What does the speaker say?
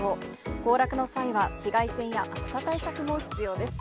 行楽の際は紫外線や暑さ対策も必要です。